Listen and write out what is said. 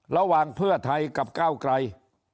ระหว่างเพื่อไทยกับก้าวไกล